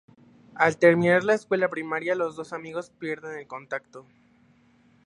Al terminar la escuela primaria los dos amigos pierden el contacto.